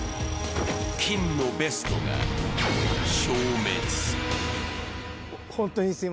金のベストが消滅。